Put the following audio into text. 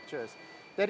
dua tahun untuk pembuat